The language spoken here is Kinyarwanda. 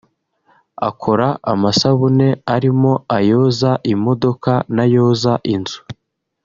Akora amasabune arimo ayoza imodoka n’ ayoza inzu